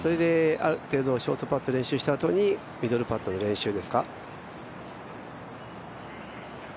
ある程度、ショートパット練習したあとにミドルパットの練習ですか。